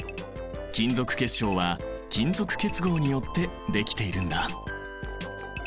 金属結晶は金属結合によってできているんだ。